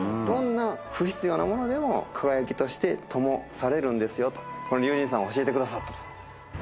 どんな不必要なものでも輝きとしてともされるんですよとこの龍神様が教えてくださってる。